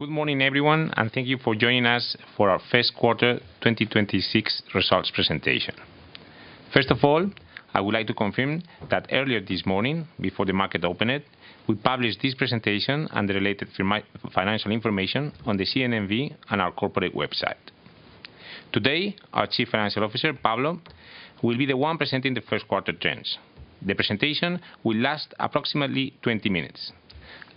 Good morning, everyone, thank you for joining us for our first quarter 2026 results presentation. First of all, I would like to confirm that earlier this morning, before the market opened, we published this presentation and the related financial information on the CNMV and our corporate website. Today, our Chief Financial Officer, Pablo, will be the one presenting the first quarter trends. The presentation will last approximately 20 minutes,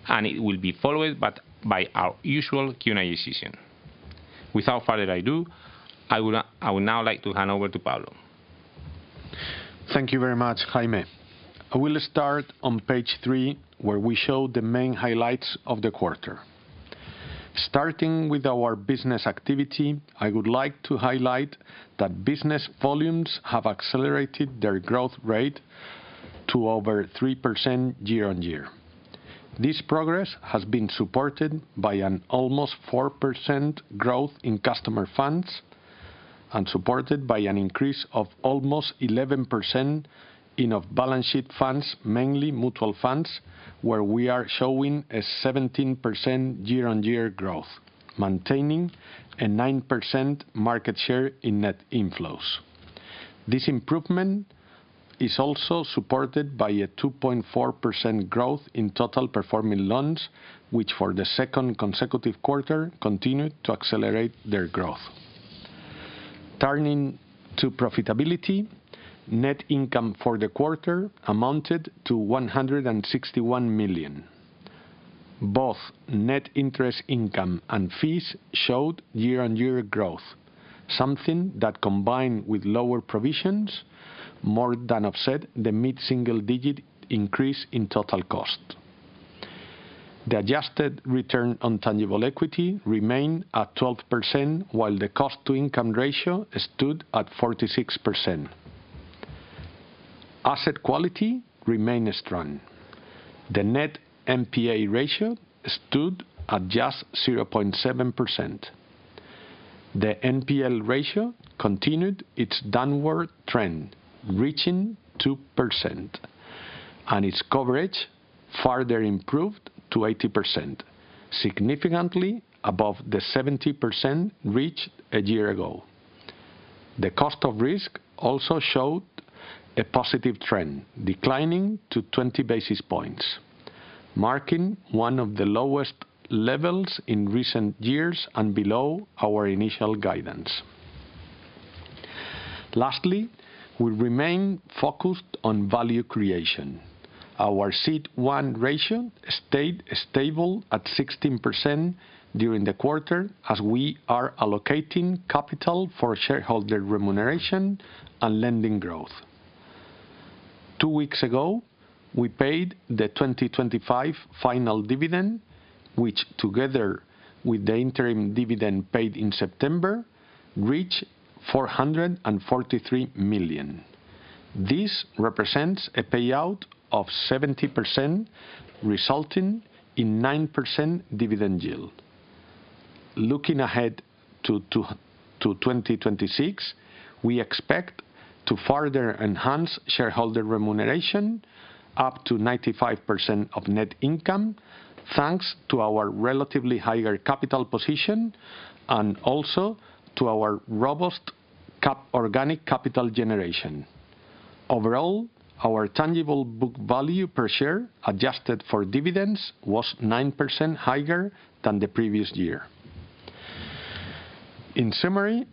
and it will be followed by our usual Q&A session. Without further ado, I would now like to hand over to Pablo. Thank you very much, Jaime. I will start on Page three, where we show the main highlights of the quarter. starting with our business activity, I would like to highlight that business volumes have accelerated their growth rate to over 3% year-on-year. This progress has been supported by an almost 4% growth in customer funds and supported by an increase of almost 11% in off-balance-sheet funds, mainly mutual funds, where we are showing a 17% year-on-year growth, maintaining a 9% market share in net inflows. This improvement is also supported by a 2.4% growth in total performing loans, which for the second consecutive quarter continued to accelerate their growth. Turning to profitability, net income for the quarter amounted to 161 million. Both net interest income and fees showed year-on-year growth, something that combined with lower provisions more than offset the mid-single-digit increase in total cost. The adjusted return on tangible equity remained at 12%, while the cost-to-income ratio stood at 46%. Asset quality remained strong. The net NPA ratio stood at just 0.7%. The NPL ratio continued its downward trend, reaching 2%, and its coverage further improved to 80%, significantly above the 70% reached a year ago. The cost of risk also showed a positive trend, declining to 20 basis points, marking one of the lowest levels in recent years and below our initial guidance. Lastly, we remain focused on value creation. Our CET1 ratio stayed stable at 16% during the quarter as we are allocating capital for shareholder remuneration and lending growth. Two weeks ago, we paid the 2025 final dividend, which together with the interim dividend paid in September, reached 443 million. This represents a payout of 70%, resulting in 9% dividend yield. Looking ahead to 2026, we expect to further enhance shareholder remuneration up to 95% of net income, thanks to our relatively higher capital position and also to our robust organic capital generation. Overall, our tangible book value per share, adjusted for dividends, was 9% higher than the previous year. In summary,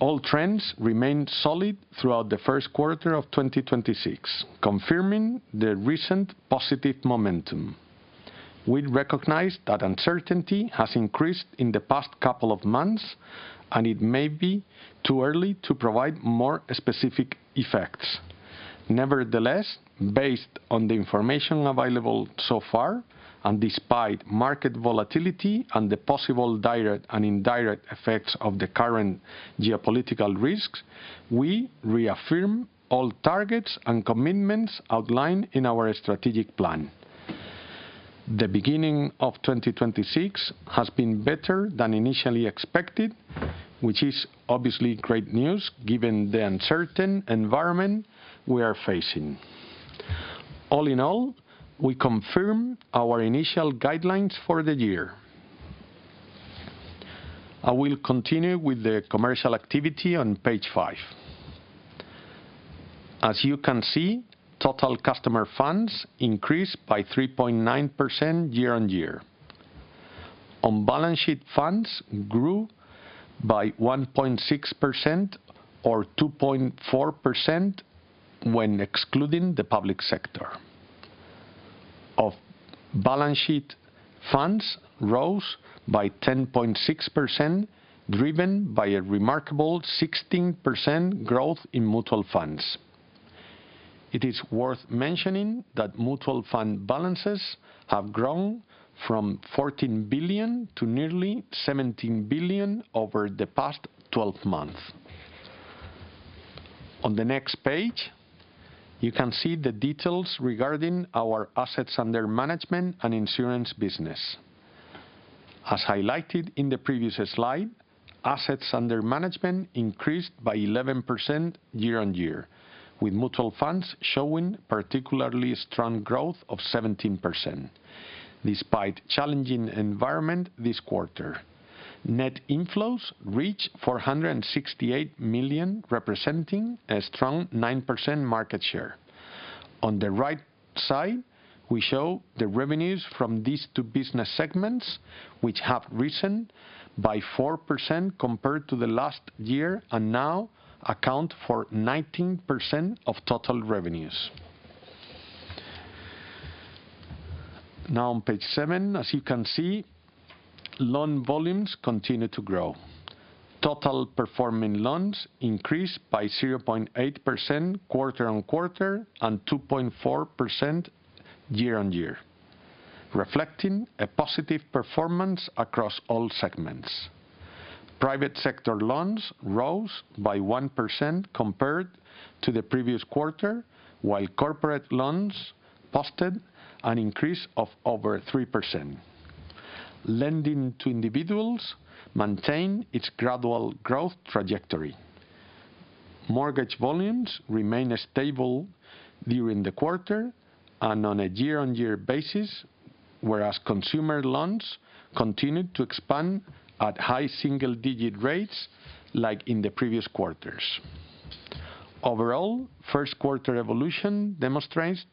all trends remained solid throughout the first quarter of 2026, confirming the recent positive momentum. We recognize that uncertainty has increased in the past couple of months, and it may be too early to provide more specific effects. Nevertheless, based on the information available so far, and despite market volatility and the possible direct and indirect effects of the current geopolitical risks, we reaffirm all targets and commitments outlined in our strategic plan. The beginning of 2026 has been better than initially expected, which is obviously great news given the uncertain environment we are facing. All in all, we confirm our initial guidelines for the year. I will continue with the commercial activity on Page 5. As you can see, total customer funds increased by 3.9% year on year. On-balance-sheet funds grew by 1.6% or 2.4% when excluding the public sector. Off-balance-sheet funds rose by 10.6%, driven by a remarkable 16% growth in mutual funds. It is worth mentioning that mutual fund balances have grown from 14 billion to nearly 17 billion over the past 12 months. On the next Page, you can see the details regarding our assets under management and insurance business. As highlighted in the previous Slide, assets under management increased by 11% year-on-year, with mutual funds showing particularly strong growth of 17% despite challenging environment this quarter. Net inflows reached 468 million, representing a strong 9% market share. On the right side, we show the revenues from these two business segments, which have risen by 4% compared to the last year and now account for 19% of total revenues. On Page 7, as you can see, loan volumes continue to grow. Total performing loans increased by 0.8% quarter-on-quarter and 2.4% year-on-year, reflecting a positive performance across all segments. Private sector loans rose by 1% compared to the previous quarter, while corporate loans posted an increase of over 3%. Lending to individuals maintained its gradual growth trajectory. Mortgage volumes remained stable during the quarter and on a year-over-year basis, whereas consumer loans continued to expand at high single-digit rates like in the previous quarters. Overall, first quarter evolution demonstrates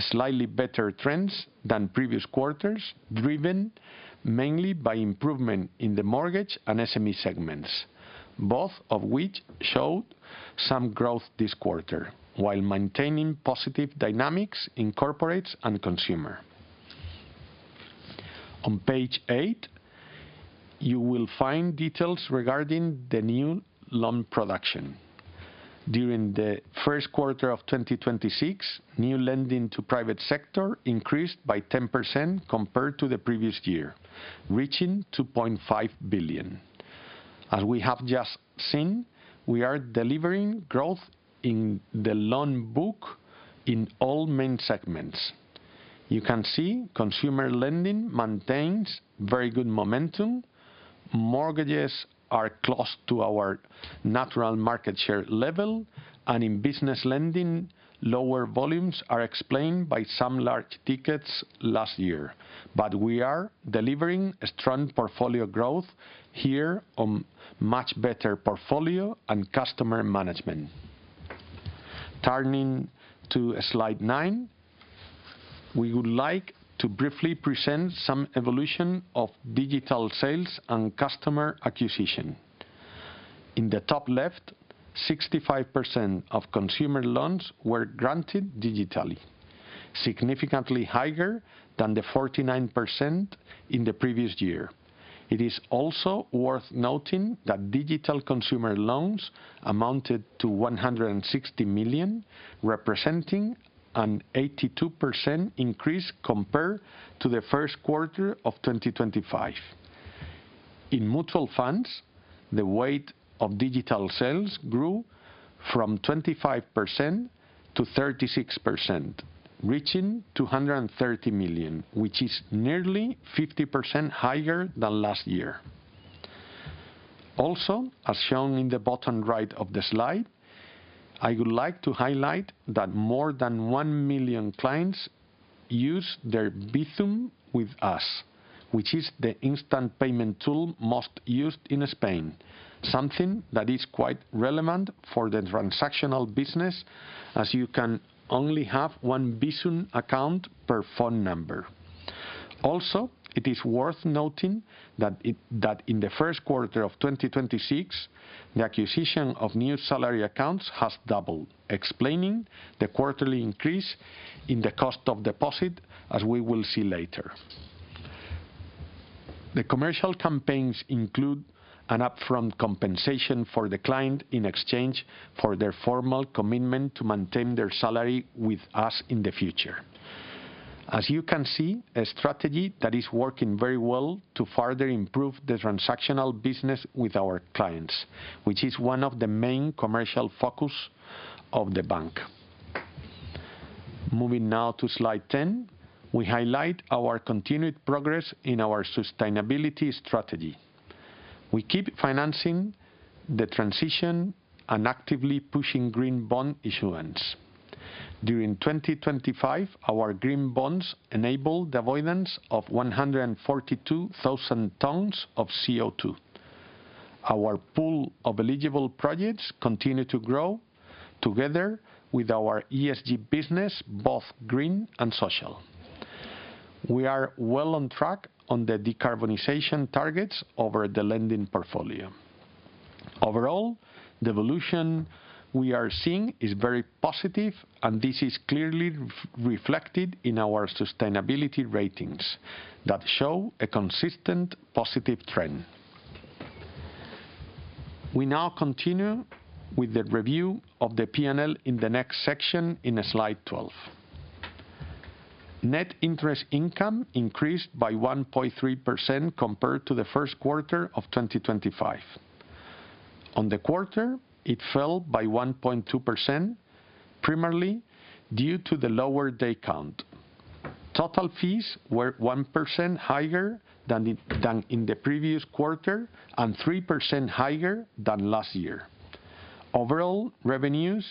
slightly better trends than previous quarters, driven mainly by improvement in the mortgage and SME segments, both of which showed some growth this quarter while maintaining positive dynamics in corporates and consumer. On Page 8, you will find details regarding the new loan production. During the first quarter of 2026, new lending to private sector increased by 10% compared to the previous year, reaching 2.5 billion. As we have just seen, we are delivering growth in the loan book in all main segments. You can see consumer lending maintains very good momentum. Mortgages are close to our natural market share level. In business lending, lower volumes are explained by some large tickets last year. We are delivering a strong portfolio growth here on much better portfolio and customer management. Turning to Slide nine, we would like to briefly present some evolution of digital sales and customer acquisition. In the top left, 65% of consumer loans were granted digitally, significantly higher than the 49% in the previous year. It is also worth noting that digital consumer loans amounted to 160 million, representing an 82% increase compared to the first quarter of 2025. In mutual funds, the weight of digital sales grew from 25% to 36%, reaching 230 million, which is nearly 50% higher than last year. As shown in the bottom right of the Slide, I would like to highlight that more than 1 million clients use their Bizum with us, which is the instant payment tool most used in Spain, something that is quite relevant for the transactional business, as you can only have one Bizum account per phone number. It is worth noting that in the 1st quarter of 2026, the acquisition of new salary accounts has doubled, explaining the quarterly increase in the cost of deposit, as we will see later. The commercial campaigns include an upfront compensation for the client in exchange for their formal commitment to maintain their salary with us in the future. As you can see, a strategy that is working very well to further improve the transactional business with our clients, which is one of the main commercial focus of the bank. Moving now to Slide 10, we highlight our continued progress in our sustainability strategy. We keep financing the transition and actively pushing green bond issuance. During 2025, our green bonds enabled the avoidance of 142,000 tons of CO2. Our pool of eligible projects continue to grow together with our ESG business, both green and social. We are well on track on the decarbonization targets over the lending portfolio. Overall, the evolution we are seeing is very positive, and this is clearly reflected in our sustainability ratings that show a consistent positive trend. We now continue with the review of the P&L in the next section in Slide 12. Net interest income increased by 1.3% compared to the first quarter of 2025. On the quarter, it fell by 1.2%, primarily due to the lower day count. Total fees were 1% higher than in the previous quarter and 3% higher than last year. Overall revenues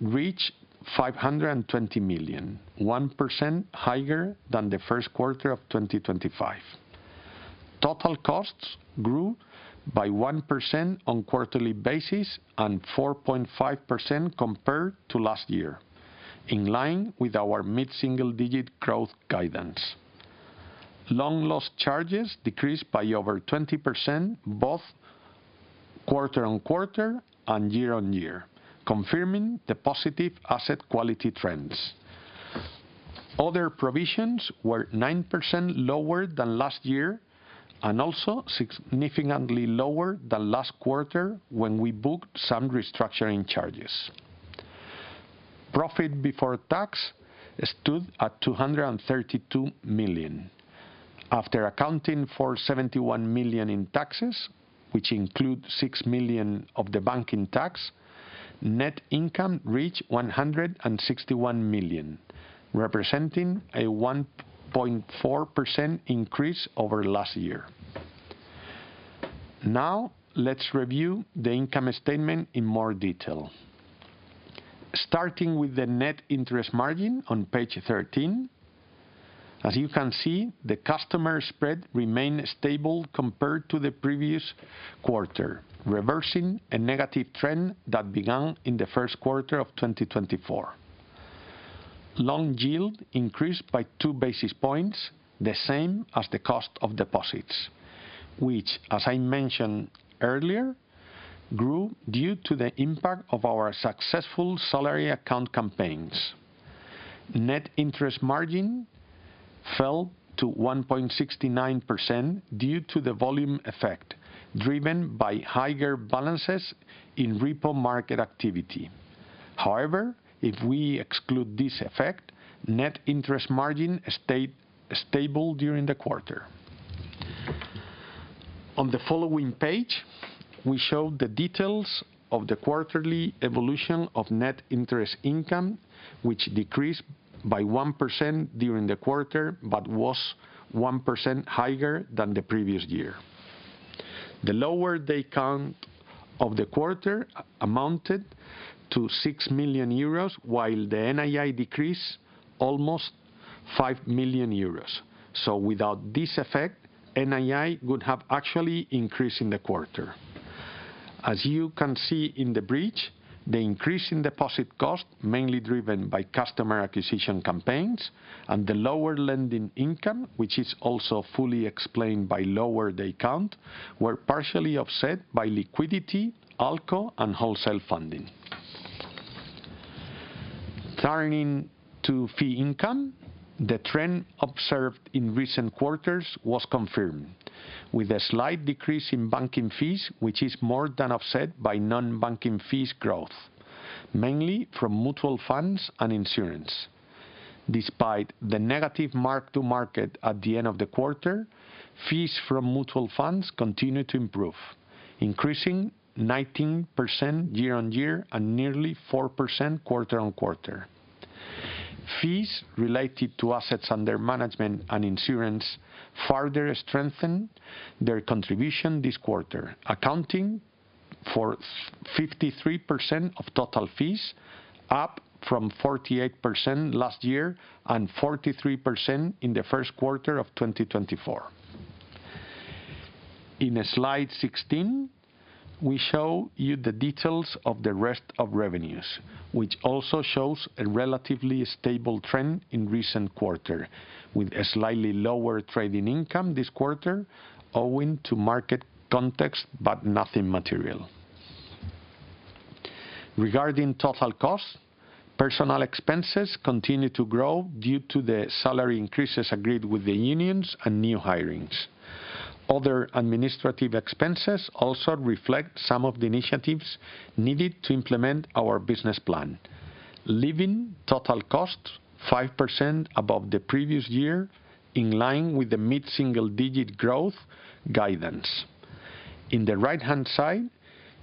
reached 520 million, 1% higher than the first quarter of 2025. Total costs grew by 1% on quarterly basis and 4.5% compared to last year, in line with our mid-single-digit growth guidance. Loan loss charges decreased by over 20% both quarter-on-quarter and year-on-year, confirming the positive asset quality trends. Other provisions were 9% lower than last year and also significantly lower than last quarter when we booked some restructuring charges. Profit before tax stood at 232 million. After accounting for 71 million in taxes, which include 6 million of the banking tax, net income reached 161 million, representing a 1.4% increase over last year. Now, let's review the income statement in more detail. starting with the net interest margin on Page 13, as you can see, the customer spread remained stable compared to the previous quarter, reversing a negative trend that began in the first quarter of 2024. Loan yield increased by 2 basis points, the same as the cost of deposits, which as I mentioned earlier, grew due to the impact of our successful salary account campaigns. Net interest margin fell to 1.69% due to the volume effect, driven by higher balances in repo market activity. However, if we exclude this effect, net interest margin stayed stable during the quarter. On the following Page, we show the details of the quarterly evolution of net interest income, which decreased by 1% during the quarter, but was 1% higher than the previous year. The lower day count of the quarter amounted to 6 million euros, while the NII decreased almost 5 million euros. Without this effect, NII would have actually increased in the quarter. As you can see in the bridge, the increase in deposit cost, mainly driven by customer acquisition campaigns and the lower lending income, which is also fully explained by lower day count, were partially offset by liquidity, ALCO, and wholesale funding. Turning to fee income, the trend observed in recent quarters was confirmed with a slight decrease in banking fees, which is more than offset by non-banking fees growth, mainly from mutual funds and insurance. Despite the negative mark-to-market at the end of the quarter, fees from mutual funds continued to improve, increasing 19% year-over-year and nearly 4% quarter-over-quarter. Fees related to assets under management and insurance further strengthened their contribution this quarter, accounting for 53% of total fees, up from 48% last year and 43% in the first quarter of 2024. In Slide 16, we show you the details of the rest of revenues, which also shows a relatively stable trend in recent quarter, with a slightly lower trading income this quarter owing to market context, but nothing material. Regarding total cost, personnel expenses continued to grow due to the salary increases agreed with the unions and new hirings. Other administrative expenses also reflect some of the initiatives needed to implement our business plan, leaving total cost 5% above the previous year in line with the mid-single-digit growth guidance. In the right-hand side,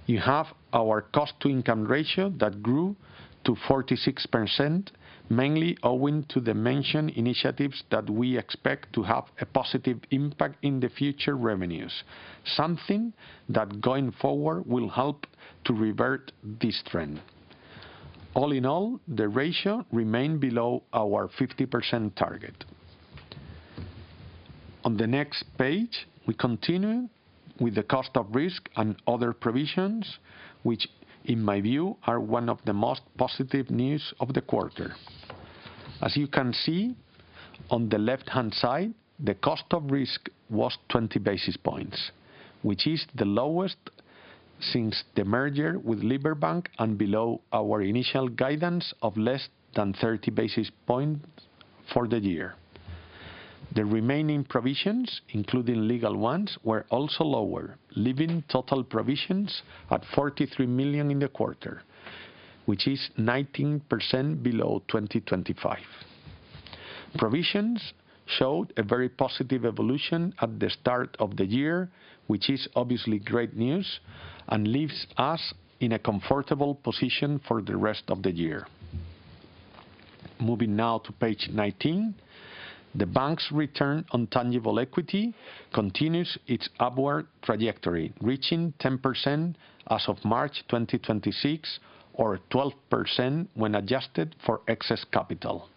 you have our cost-to-income ratio that grew to 46%, mainly owing to the mentioned initiatives that we expect to have a positive impact in the future revenues, something that going forward will help to revert this trend. All in all, the ratio remained below our 50% target. On the next Page, we continue with the cost of risk and other provisions, which in my view are one of the most positive news of the quarter. As you can see on the left-hand side, the cost of risk was 20 basis points, which is the lowest since the merger with Liberbank and below our initial guidance of less than 30 basis points for the year. The remaining provisions, including legal ones, were also lower, leaving total provisions at 43 million in the quarter, which is 19% below 2025. Provisions showed a very positive evolution at the start of the year, which is obviously great news, and leaves us in a comfortable position for the rest of the year. Moving now to Page 19, the bank's return on tangible equity continues its upward trajectory, reaching 10% as of March 2026, or 12% when adjusted for excess capital.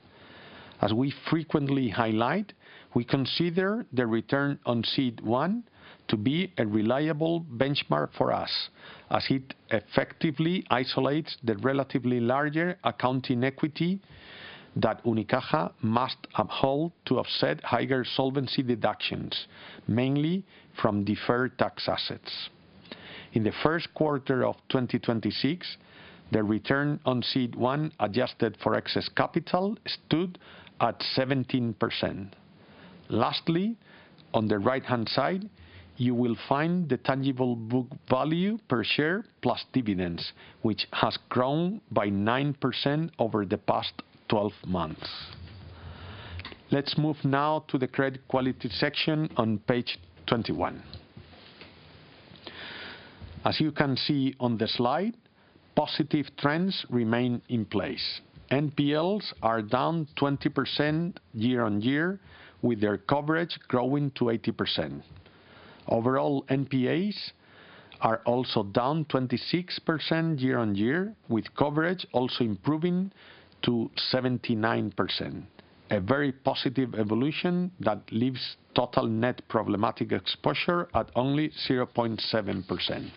As we frequently highlight, we consider the return on CET1 to be a reliable benchmark for us, as it effectively isolates the relatively larger accounting equity that Unicaja must uphold to offset higher solvency deductions, mainly from deferred tax assets. In the first quarter of 2026, the return on CET1 adjusted for excess capital stood at 17%. Lastly, on the right-hand side, you will find the tangible book value per share plus dividends, which has grown by 9% over the past 12 months. Let's move now to the credit quality section on Page 21. As you can see on the Slide, positive trends remain in place. NPLs are down 20% year-on-year, with their coverage growing to 80%. Overall NPAs are also down 26% year-on-year, with coverage also improving to 79%. A very positive evolution that leaves total net problematic exposure at only 0.7%.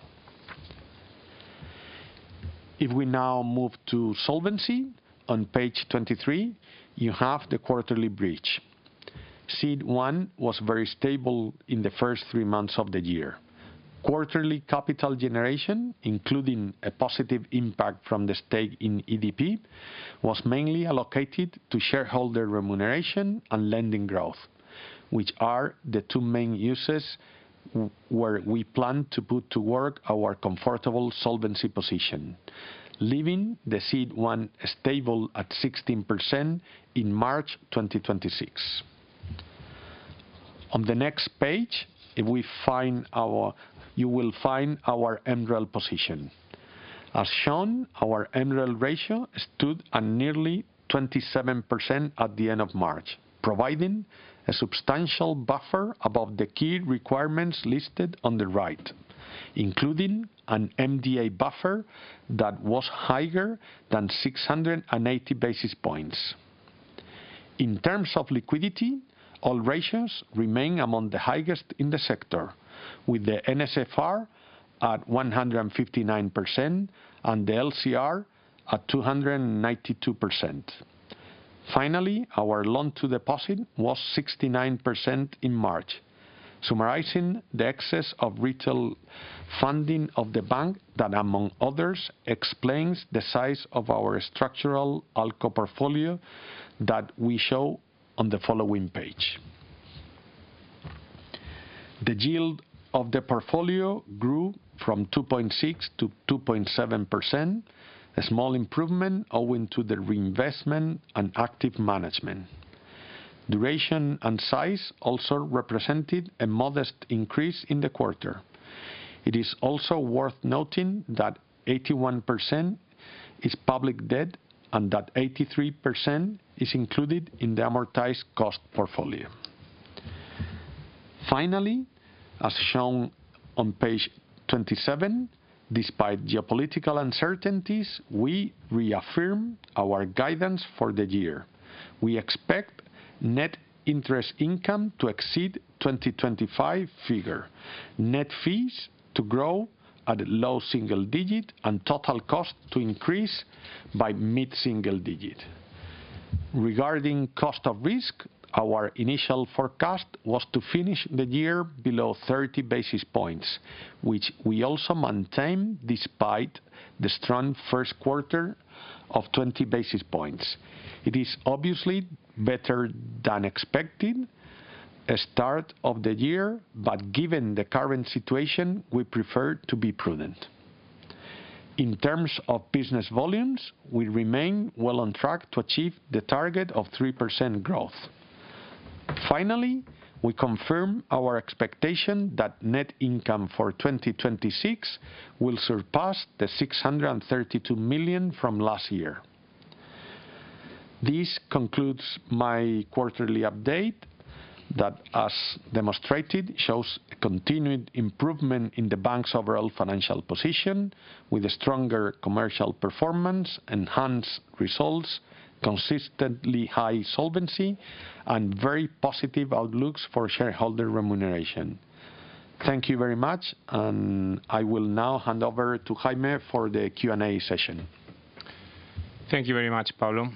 If we now move to solvency on Page 23, you have the quarterly bridge. CET1 was very stable in the first 3 months of the year. Quarterly capital generation, including a positive impact from the stake in EDP, was mainly allocated to shareholder remuneration and lending growth, which are the two main uses where we plan to put to work our comfortable solvency position, leaving the CET1 stable at 16% in March 2026. On the next Page, you will find our MREL position. As shown, our MREL ratio stood at nearly 27% at the end of March, providing a substantial buffer above the key requirements listed on the right, including an MDA buffer that was higher than 680 basis points. In terms of liquidity, all ratios remain among the highest in the sector, with the NSFR at 159% and the LCR at 292%. Finally, our loan-to-deposit was 69% in March. Summarizing the excess of retail funding of the bank that, among others, explains the size of our structural ALCO portfolio that we show on the following Page. The yield of the portfolio grew from 2.6 to 2.7%, a small improvement owing to the reinvestment and active management. Duration and size also represented a modest increase in the quarter. It is also worth noting that 81% is public debt, and that 83% is included in the amortized cost portfolio. Finally, as shown on Page 27, despite geopolitical uncertainties, we reaffirm our guidance for the year. We expect net interest income to exceed 2025 figure, net fees to grow at low single digit, and total cost to increase by mid-single digit. Regarding cost of risk, our initial forecast was to finish the year below 30 basis points, which we also maintain despite the strong first quarter of 20 basis points. It is obviously better than expected, a start of the year, but given the current situation, we prefer to be prudent. In terms of business volumes, we remain well on track to achieve the target of 3% growth. Finally, we confirm our expectation that net income for 2026 will surpass the 632 million from last year. This concludes my quarterly update that, as demonstrated, shows a continued improvement in the bank's overall financial position with a stronger commercial performance, enhanced results, consistently high solvency, and very positive outlooks for shareholder remuneration. Thank you very much, and I will now hand over to Jaime for the Q&A session. Thank you very much, Pablo.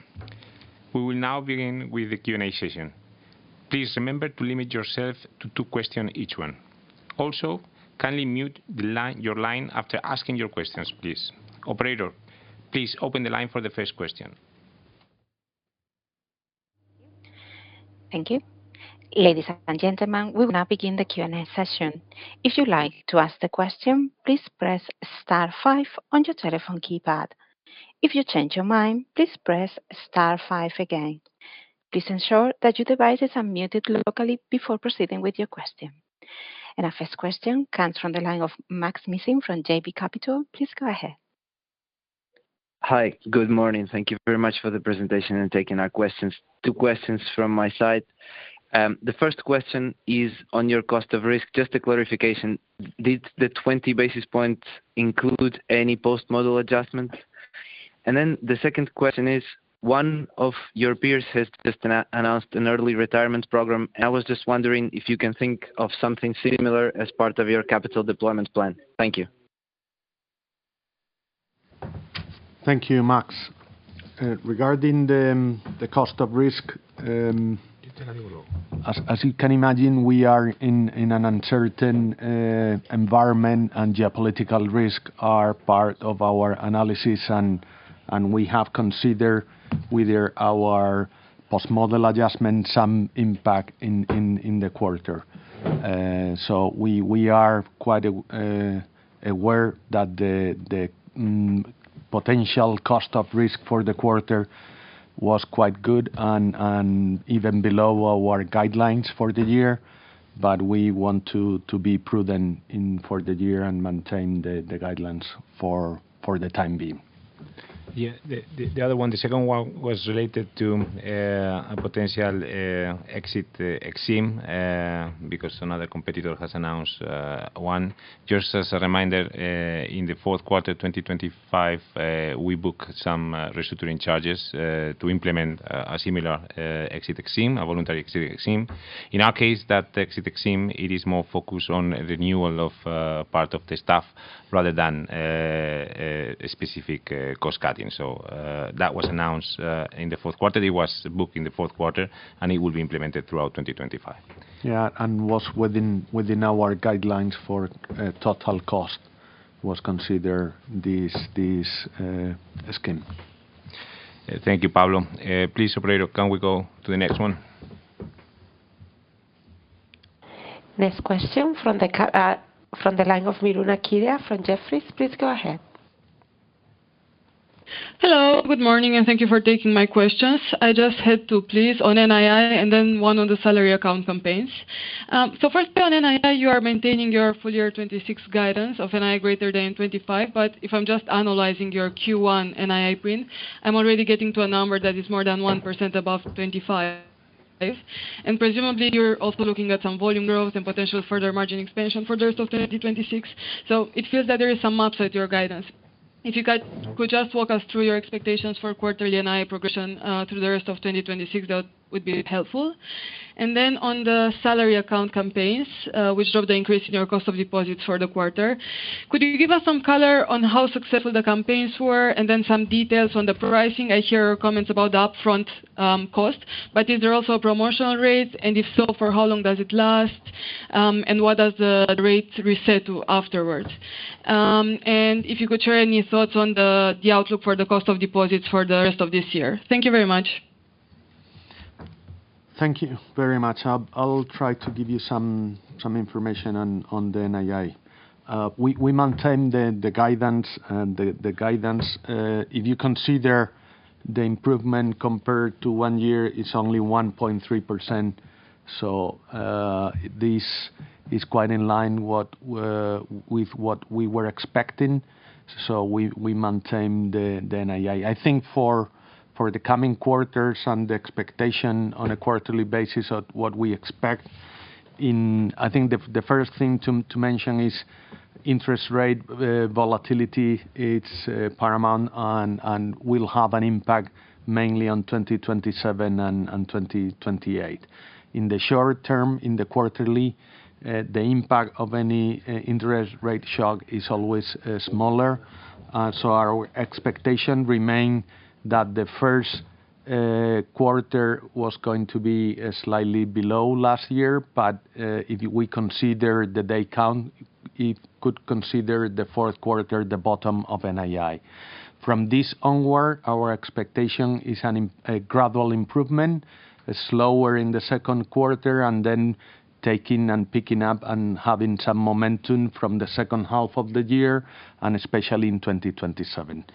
We will now begin with the Q&A session. Please remember to limit yourself to two question each one. Also, kindly mute your line after asking your questions, please. Operator, please open the line for the first question. Thank you. Ladies and gentlemen, we will now begin the Q&A session. If you'd like to ask the question, please press Star five on your telephone keypad. If you change your mind, please press Star 5 again. Please ensure that your devices are muted locally before proceeding with your question. Our first question comes from the line of Maksym Mishyn from JB Capital. Please go ahead. Hi. Good morning. Thank you very much for the presentation and taking our questions. Two questions from my side. The first question is on your cost of risk. Just a clarification, did the 20 basis points include any post-model adjustments? The second question is, one of your peers has just announced an early retirement program. I was just wondering if you can think of something similar as part of your capital deployment plan. Thank you. Thank you, Max. Regarding the cost of risk, as you can imagine, we are in an uncertain environment, and geopolitical risk are part of our analysis, and we have considered with our post-model adjustment some impact in the quarter. We are quite aware that the potential cost of risk for the quarter was quite good and even below our guidelines for the year. We want to be prudent for the year and maintain the guidelines for the time being. Yeah. The other one, the second one was related to a potential exit because another competitor has announced one. Just as a reminder, in the fourth quarter of 2025, we booked some restructuring charges to implement a similar exit plan, a voluntary exit plan. In our case, that exit plan, it is more focused on renewal of part of the staff rather than a specific cost-cutting. That was announced in the fourth quarter. It was booked in the fourth quarter, and it will be implemented throughout 2025. Yeah. Was within our guidelines for a total cost was considered this scheme. Thank you, Pablo. Please, operator, can we go to the next one? Next question from the line of Miruna Chirea from Jefferies. Please go ahead. Hello. Good morning, and thank you for taking my questions. I just had two, please, on NII and then one on the salary account campaigns. First on NII, you are maintaining your full year 2026 guidance of NII greater than 25%, but if I'm just analyzing your Q1 NII print, I'm already getting to a number that is more than 1% above 25%. Presumably you're also looking at some volume growth and potential further margin expansion for the rest of 2026. It feels that there is some upside to your guidance. If you could just walk us through your expectations for quarterly NII progression through the rest of 2026, that would be helpful. On the salary account campaigns, which drove the increase in your cost of deposits for the quarter, could you give us some color on how successful the campaigns were and then some details on the pricing? I hear comments about the upfront cost, but is there also promotional rates, and if so, for how long does it last, and what does the rate reset to afterwards? If you could share any thoughts on the outlook for the cost of deposits for the rest of this year. Thank you very much. Thank you very much. I'll try to give you some information on the NII. We maintain the guidance. The guidance, if you consider the improvement compared to one year, it's only 1.3%. This is quite in line with what we were expecting. We maintain the NII. I think for the coming quarters and the expectation on a quarterly basis of what we expect, I think the first thing to mention is interest rate volatility, it's paramount and will have an impact mainly on 2027 and 2028. In the short term, in the quarterly, the impact of any interest rate shock is always smaller. Our expectation remain that the 1st quarter was going to be slightly below last year. If we consider the day count, it could consider the 4th quarter the bottom of NII. From this onward, our expectation is a gradual improvement, slower in the 2nd quarter and then taking and picking up and having some momentum from the 2nd half of the year, and especially in 2027.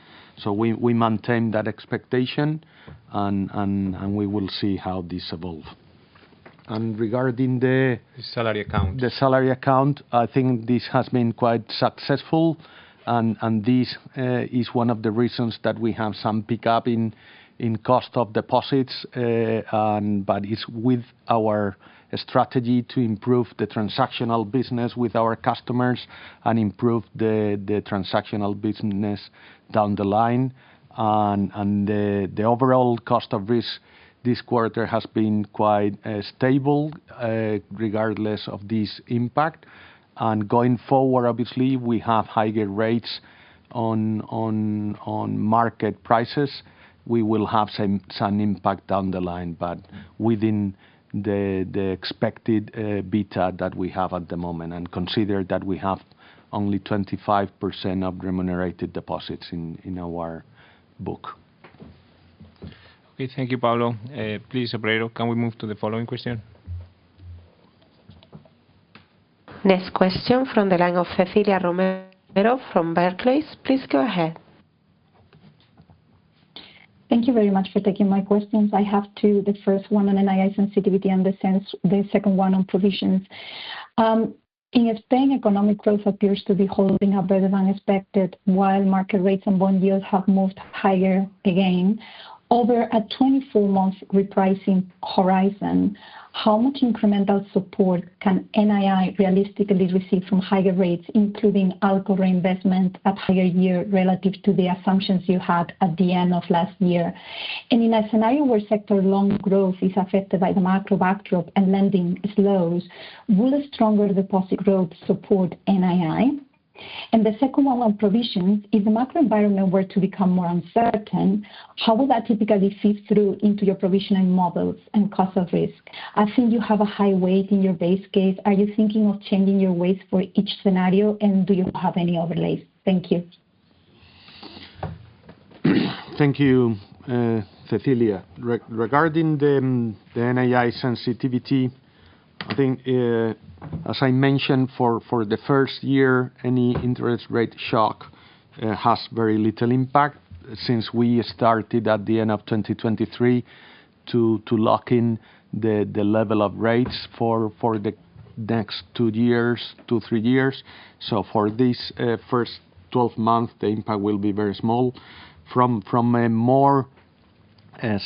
We, we maintain that expectation and we will see how this evolve. Salary accounts The salary account, I think this has been quite successful and this is one of the reasons that we have some pickup in cost of deposits. It's with our strategy to improve the transactional business with our customers and improve the transactional business down the line. The overall cost of risk this quarter has been quite stable regardless of this impact. Going forward, obviously, we have higher rates on market prices. We will have some impact down the line, but within the expected beta that we have at the moment. Consider that we have only 25% of remunerated deposits in our book. Okay. Thank you, Pablo. Please, operator, can we move to the following question? Next question from the line of Cecilia Romero from Barclays. Please go ahead. Thank you very much for taking my questions. I have two. The first one on NII sensitivity and the second one on provisions. In Spain, economic growth appears to be holding up better than expected, while market rates and bond yields have moved higher again. Over a 24-month repricing horizon, how much incremental support can NII realistically receive from higher rates, including ALCO reinvestment at higher yield relative to the assumptions you had at the end of last year? In a scenario where sector loan growth is affected by the macro backdrop and lending slows, will a stronger deposit growth support NII? The second one on provisions. If the macro environment were to become more uncertain, how will that typically sift through into your provisioning models and cost of risk? I think you have a high weight in your base case. Are you thinking of changing your weight for each scenario, and do you have any overlays? Thank you. Thank you, Cecilia. Regarding the NII sensitivity, I think, as I mentioned, for the first year, any interest rate shock has very little impact since we started at the end of 2023 to lock in the level of rates for the next two years, two, three years. For this first 12 months, the impact will be very small. From a more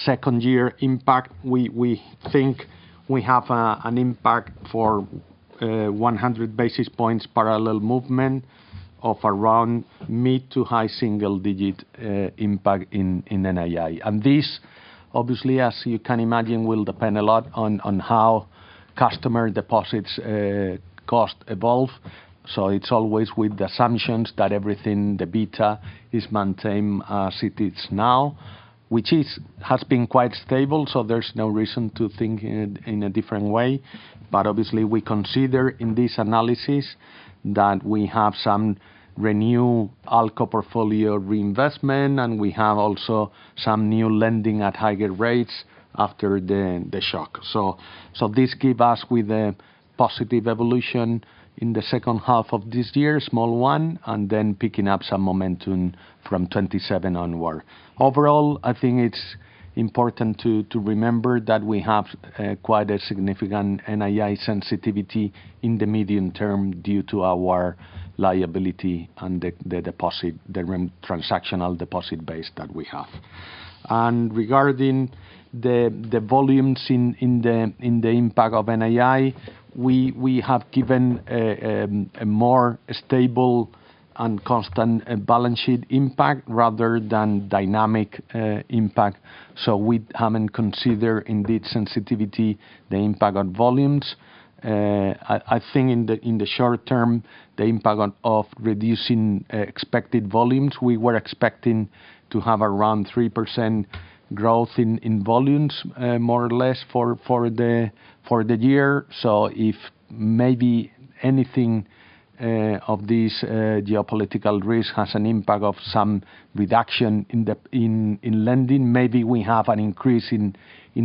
second year impact, we think we have an impact for 100 basis points parallel movement of around mid to high single digit impact in NII. This, obviously, as you can imagine, will depend a lot on how customer deposits cost evolve. It's always with the assumptions that everything, the beta is maintained as it is now, which has been quite stable, so there's no reason to think it in a different way. Obviously, we consider in this analysis that we have some renew ALCO portfolio reinvestment, and we have also some new lending at higher rates after the shock. This give us with a positive evolution in the second half of this year, small one, and then picking up some momentum from 2027 onward. Overall, I think it's important to remember that we have quite a significant NII sensitivity in the medium term due to our liability and the deposit, transactional deposit base that we have. Regarding the volumes in the impact of NII, we have given a more stable and constant balance sheet impact rather than dynamic impact. We haven't considered in this sensitivity the impact on volumes. I think in the short term, the impact on reducing expected volumes, we were expecting to have around 3% growth in volumes more or less for the year. If maybe anything of this geopolitical risk has an impact of some reduction in lending, maybe we have an increase in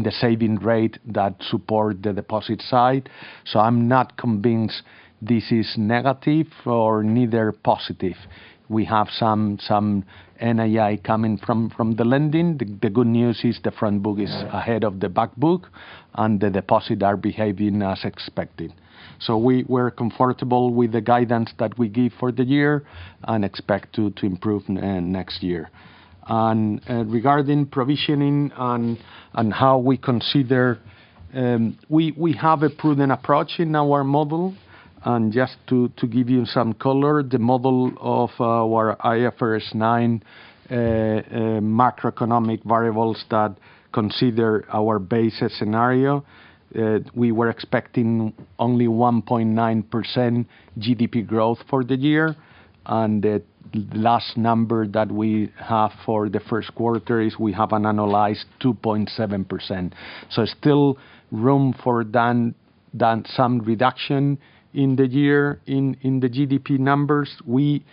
the saving rate that support the deposit side. I'm not convinced this is negative or neither positive. We have some NII coming from the lending. The good news is the front book is ahead of the back book, and the deposit are behaving as expected. We're comfortable with the guidance that we give for the year and expect to improve next year. Regarding provisioning and how we consider, we have a prudent approach in our model. Just to give you some color, the model of our IFRS9 macroeconomic variables that consider our base scenario, we were expecting only 1.9% GDP growth for the year. The last number that we have for the first quarter is we have analyzed 2.7%. Still room for some reduction in the year in the GDP numbers. We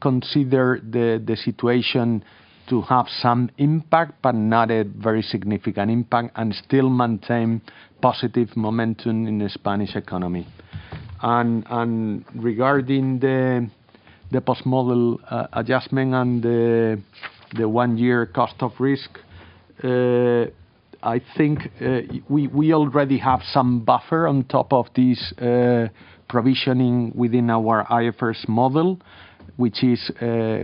consider the situation to have some impact, but not a very significant impact, and still maintain positive momentum in the Spanish economy. Regarding the post-model adjustment and the one-year cost of risk, I think we already have some buffer on top of this provisioning within our IFRS model, which is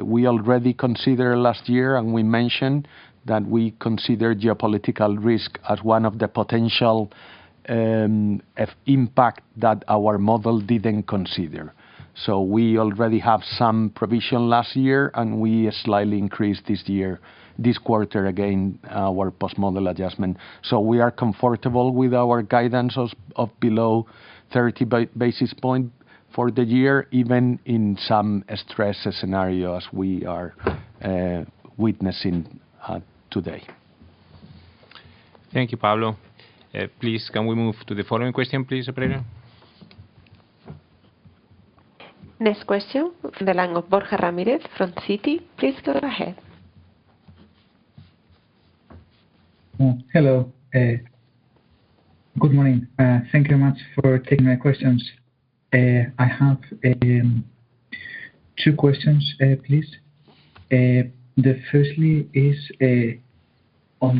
we already consider last year, and we mentioned that we consider geopolitical risk as one of the potential impact that our model didn't consider. We already have some provision last year, and we slightly increased this year, this quarter again, our post-model adjustment. We are comfortable with our guidance of below 30 basis points for the year, even in some stress scenario as we are witnessing today. Thank you, Pablo. Please, can we move to the following question, please, operator? Next question from the line of Borja Ramirez from Citi. Please go ahead. Hello. Good morning. Thank you much for taking my questions. I have 2 questions, please. The firstly is on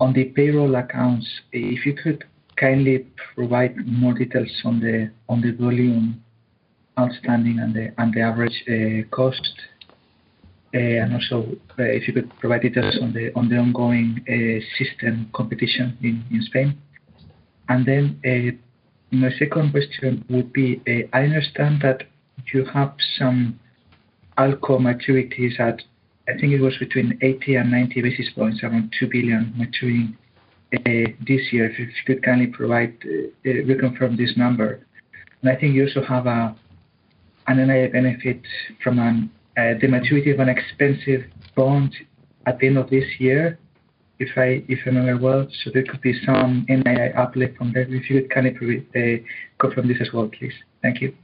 the payroll accounts, if you could kindly provide more details on the volume outstanding and the average cost. Also, if you could provide details on the ongoing system competition in Spain. My second question would be, I understand that you have some ALCO maturities at, I think it was between 80 and 90 basis points, around 2 billion maturing this year. If you could kindly provide reconfirm this number. I think you also have an NII benefit from the maturity of an expensive bond at the end of this year, if I remember well, so there could be some NII uplift from that. If you could kindly re-confirm this as well, please. Thank you.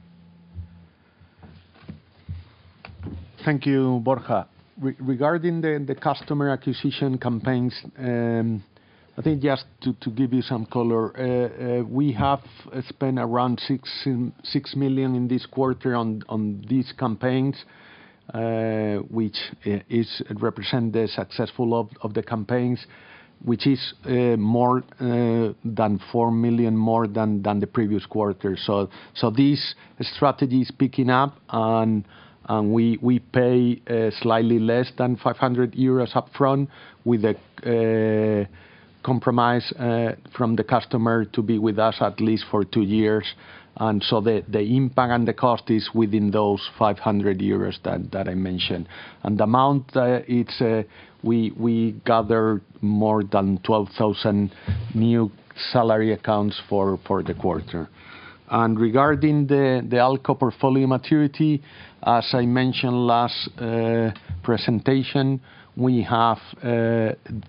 Thank you, Borja. Regarding the customer acquisition campaigns, I think just to give you some color, we have spent around 6 million in this quarter on these campaigns, which is represent the successful of the campaigns, which is more than 4 million more than the previous quarter. This strategy is picking up and we pay slightly less than 500 euros upfront with a compromise from the customer to be with us at least for two years. The impact and the cost is within those 500 euros that I mentioned. The amount, it's, we gather more than 12,000 new salary accounts for the quarter. Regarding the ALCO portfolio maturity, as I mentioned last presentation, we have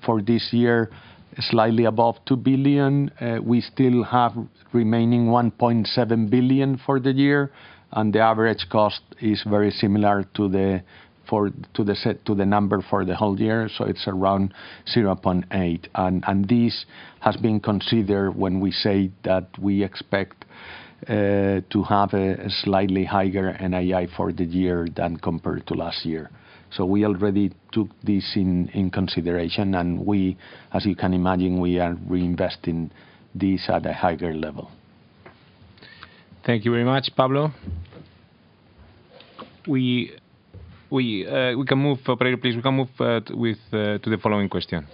for this year, slightly above 2 billion. We still have remaining 1.7 billion for the year, and the average cost is very similar to the number for the whole year. It's around 0.8. This has been considered when we say that we expect to have a slightly higher NII for the year than compared to last year. We already took this in consideration, and we, as you can imagine, we are reinvesting this at a higher level. Thank you very much, Pablo. We can move, operator, please. We can move to the following question.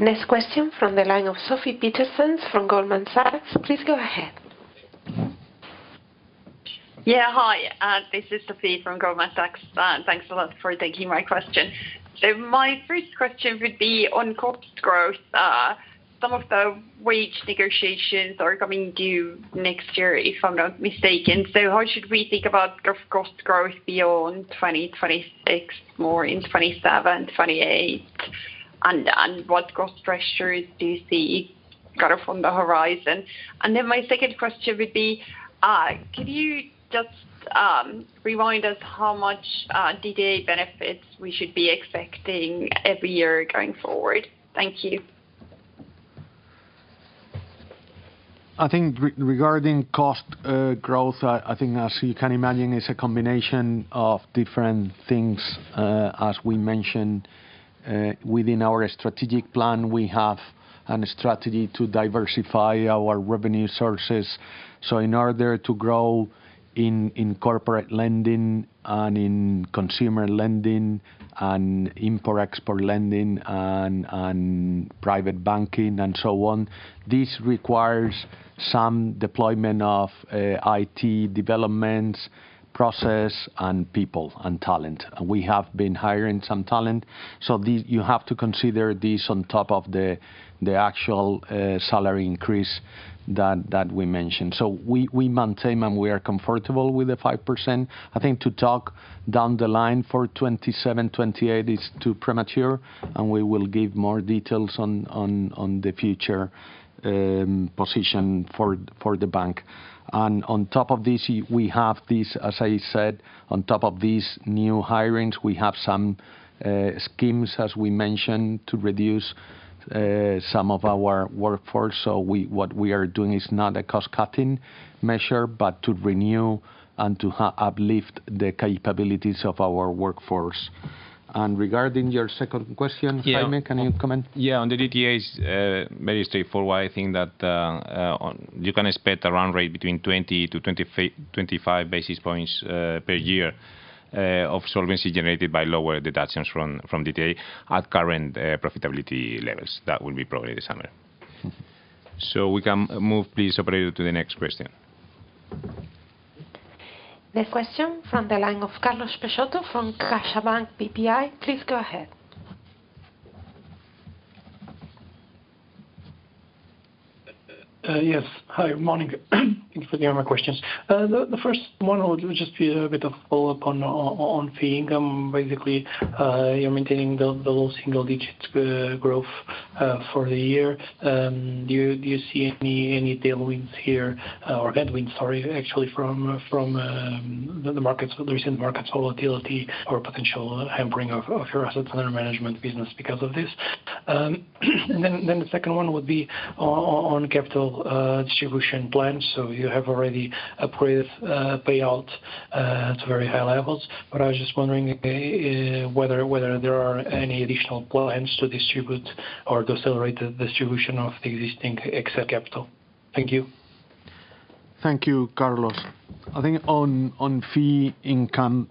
Next question from the line of Sofie Caroline Peterzens from Goldman Sachs. Please go ahead. Yeah, hi, this is Sofie from Goldman Sachs. Thanks a lot for taking my question. My first question would be on cost growth. Some of the wage negotiations are coming due next year, if I'm not mistaken. How should we think about cost growth beyond 2026, more in 2027, 2028? What cost pressures do you see kind of on the horizon? My second question would be, could you just remind us how much DTA benefits we should be expecting every year going forward? Thank you. I think regarding cost growth, as you can imagine, it's a combination of different things. As we mentioned, within our strategic plan, we have a strategy to diversify our revenue sources. In order to grow in corporate lending and in consumer lending and import-export lending and private banking and so on, this requires some deployment of IT developments, process, and people and talent. We have been hiring some talent, so you have to consider this on top of the actual salary increase we mentioned. We maintain, and we are comfortable with the 5%. I think to talk down the line for 2027, 2028 is too premature, and we will give more details on the future position for the bank. On top of this, we have these, as I said, on top of these new hirings, we have some schemes, as we mentioned, to reduce some of our workforce. What we are doing is not a cost-cutting measure, but to renew and to uplift the capabilities of our workforce. Regarding your second question, Jaime, can you comment? Yeah. On the DTAs, very straightforward. I think that you can expect a run rate between 20 to 25 basis points per year of solvency generated by lower deductions from DTA at current profitability levels. That will be probably the summary. We can move please, operator, to the next question. Next question from the line of Carlos Peixoto from CaixaBank BPI. Please go ahead. Yes. Hi. Morning. Thank you for the other questions. The first one will just be a bit of follow-up on fee income. Basically, you're maintaining the low single digits growth for the year. Do you see any tailwinds here or headwind, sorry, actually from the markets, the recent markets volatility or potential hampering of your asset management business because of this? Then the second one would be on capital distribution plans. You have already approved payout to very high levels, but I was just wondering whether there are any additional plans to distribute or to accelerate the distribution of the existing excess capital. Thank you. Thank you, Carlos. I think on fee income,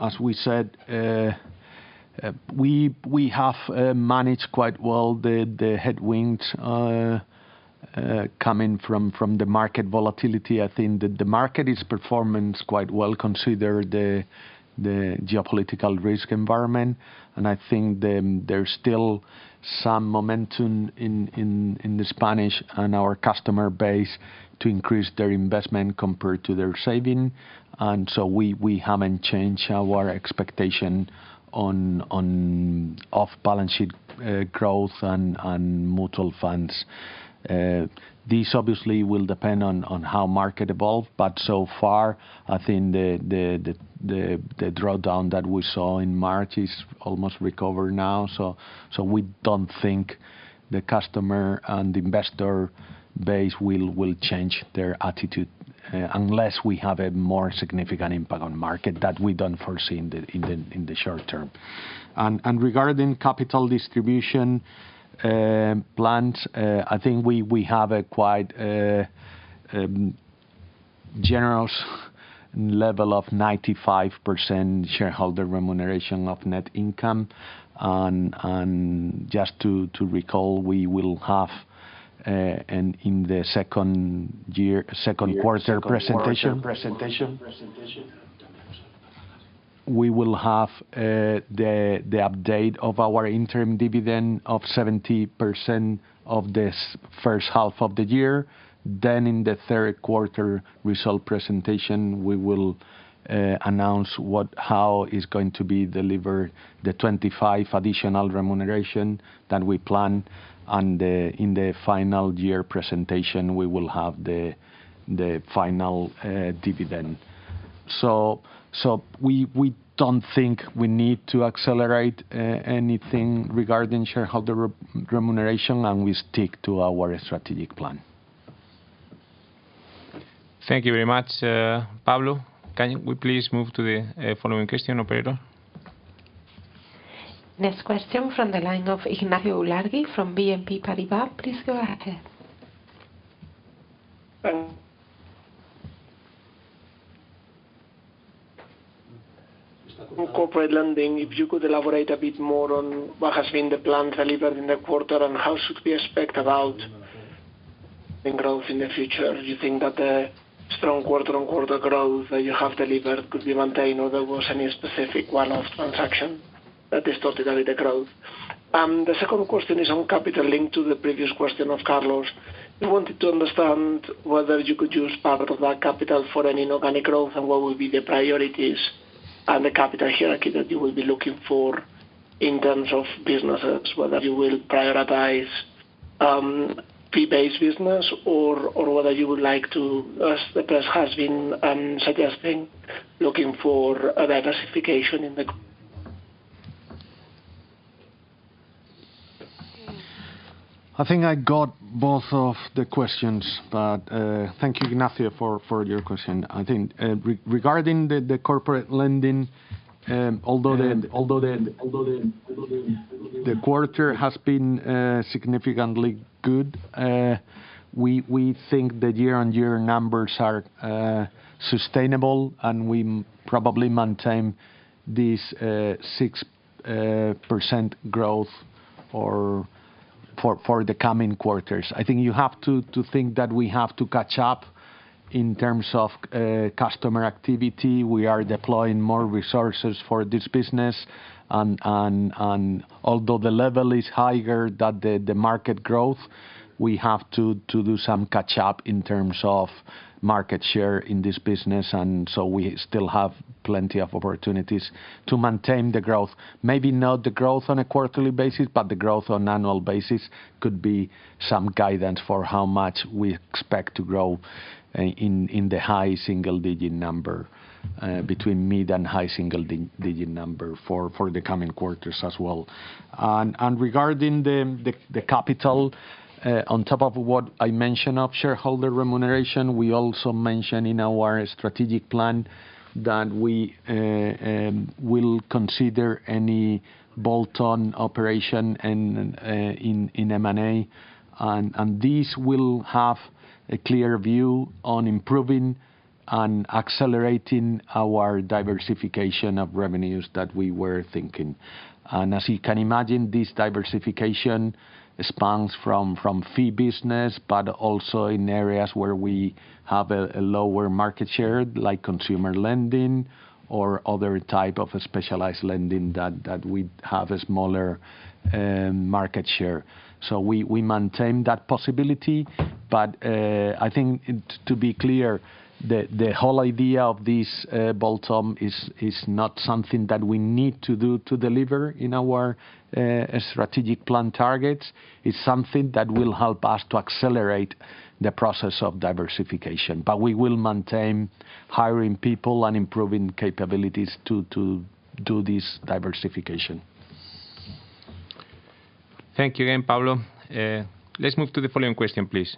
as we said, we have managed quite well the headwinds coming from the market volatility. I think the market is performing quite well considering the geopolitical risk environment, and I think there's still some momentum in the Spanish and our customer base to increase their investment compared to their savings. We haven't changed our expectation on off-balance-sheet growth and mutual funds. This obviously will depend on how markets evolve, but so far, I think the drawdown that we saw in March is almost recovered now. We don't think the customer and investor base will change their attitude unless we have a more significant impact on market that we don't foresee in the short term. Regarding capital distribution plans, I think we have a quite general level of 95% shareholder remuneration of net income. Just to recall, we will have in the second quarter presentation, we will have the update of our interim dividend of 70% of this first half of the year. In the third quarter result presentation, we will announce how is going to be delivered the 25 additional remuneration that we plan. In the final year presentation, we will have the final dividend. We don't think we need to accelerate anything regarding shareholder remuneration. We stick to our strategic plan. Thank you very much, Pablo. Can we please move to the following question, operator? Next question from the line of Ignacio Ulargui from BNP Paribas. Please go ahead. On corporate lending, if you could elaborate a bit more on what has been the plan delivered in the quarter and how should we expect about the growth in the future? Do you think that the strong quarter-on-quarter growth that you have delivered could be maintained, or there was any specific one-off transaction that distorted the growth? The second question is on capital linked to the previous question of Carlos. We wanted to understand whether you could use part of that capital for any organic growth and what would be the priorities and the capital hierarchy that you will be looking for in terms of businesses, whether you will prioritize fee-based business or whether you would like to, as the press has been suggesting, looking for a diversification in the I think I got both of the questions, but thank you, Ignacio, for your question. I think, regarding the corporate lending, although the quarter has been significantly good, we think the year-on-year numbers are sustainable, and we probably maintain this 6% growth for the coming quarters. I think you have to think that we have to catch up in terms of customer activity. We are deploying more resources for this business. Although the level is higher than the market growth, we have to do some catch up in terms of market share in this business. We still have plenty of opportunities to maintain the growth. Maybe not the growth on a quarterly basis, but the growth on annual basis could be some guidance for how much we expect to grow in the high single-digit number, between mid and high single-digit number for the coming quarters as well. Regarding the capital, on top of what I mentioned of shareholder remuneration, we also mentioned in our strategic plan that we will consider any bolt-on operation in M&A. This will have a clear view on improving and accelerating our diversification of revenues that we were thinking. As you can imagine, this diversification expands from fee business, but also in areas where we have a lower market share, like consumer lending or other type of specialized lending that we have a smaller market share. We maintain that possibility. To be clear, the whole idea of this bolt-on is not something that we need to do to deliver in our strategic plan targets. It's something that will help us to accelerate the process of diversification. We will maintain hiring people and improving capabilities to do this diversification. Thank you again, Pablo. Let's move to the following question, please.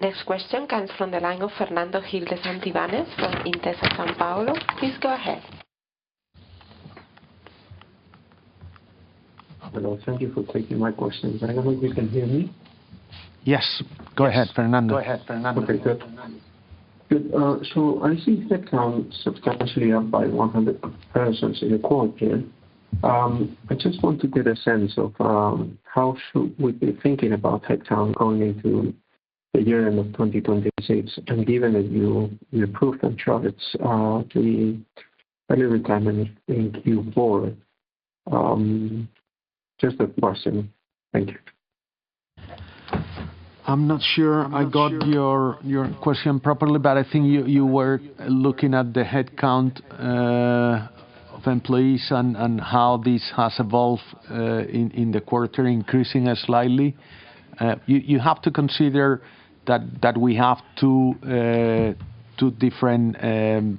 Next question comes from the line of Fernando Gil de Santivañez from Intesa Sanpaolo. Please go ahead. Hello, thank you for taking my question. I don't know if you can hear me? Yes. Go ahead, Fernando. Yes, go ahead, Fernando. Okay, good. Good. I see headcount substantially up by 100 persons in your quarter. I just want to get a sense of how should we be thinking about headcount going into the year-end of 2026, and given that you approved on targets, the salary increment in Q4, just that portion. Thank you. I'm not sure I got your question properly, but I think you were looking at the headcount of employees and how this has evolved in the quarter, increasing it slightly. You have to consider that we have two different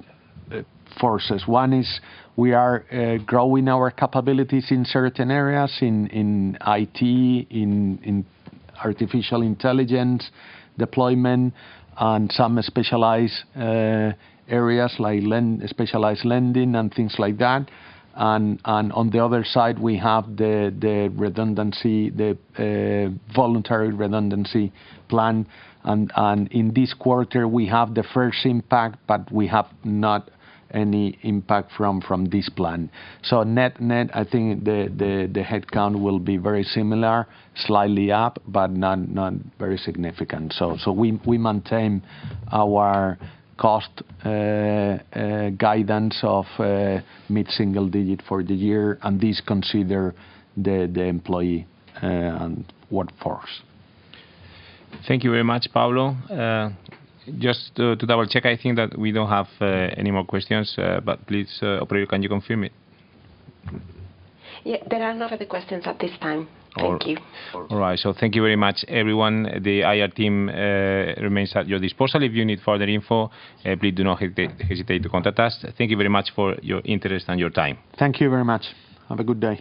forces. One is we are growing our capabilities in certain areas, in IT, in artificial intelligence deployment and some specialized areas like specialized lending and things like that. On the other side, we have the voluntary redundancy plan. In this quarter, we have the first impact, but we have not any impact from this plan. Net, I think the headcount will be very similar, slightly up, but not very significant. We maintain our cost guidance of mid-single digit for the year, and this consider the employee and workforce. Thank you very much, Pablo. Just to double-check, I think that we don't have any more questions, but please, operator, can you confirm it? Yeah. There are no further questions at this time. Thank you. All right. Thank you very much, everyone. The IR team remains at your disposal. If you need further info, please do not hesitate to contact us. Thank you very much for your interest and your time. Thank you very much. Have a good day.